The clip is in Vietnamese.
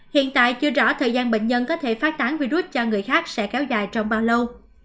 hiện tại chưa rõ thời gian bệnh nhân có thể phát tán virus cho người khác sẽ kéo dài trong bao lâu